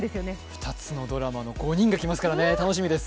２つのドラマの５人が来ますからね、楽しみです。